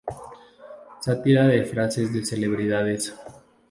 Sátira de frases de celebridades.